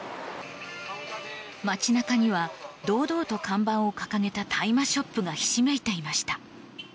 街中には堂々と看板を掲げた大麻ショップがひしめいていました。